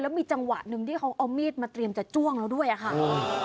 มีจังหวะหนึ่งที่เขาเอามีดมาเตรียมจะจ้วงเราด้วยอะค่ะ